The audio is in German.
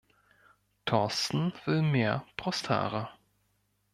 Thorsten will mehr Brusthaare.